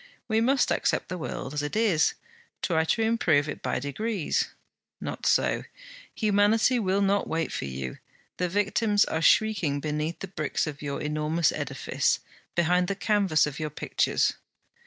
We must accept the world as it is, try to improve it by degrees. Not so: humanity will not wait for you, the victims are shrieking beneath the bricks of your enormous edifice, behind the canvas of your pictures.